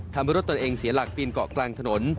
ทำให้รถตนเองเสียหลักปีนเกาะกลางถนน